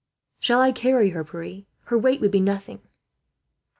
"Shall I carry her, Pierre? Her weight would be nothing."